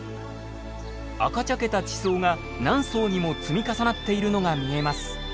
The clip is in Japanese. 赤茶けた地層が何層にも積み重なっているのが見えます。